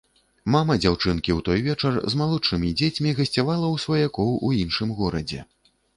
Мамы дзяўчынкі ў той вечар з малодшымі дзецьмі гасцявала ў сваякоў у іншым горадзе.